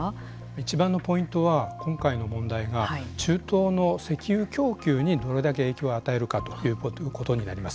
いちばんのポイントは今回の問題が中東の石油供給にどれだけ影響を与えるかということになります。